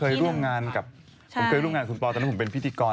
เคยร่วมงานกับผมเคยร่วมงานคุณปอตอนนั้นผมเป็นพิธีกร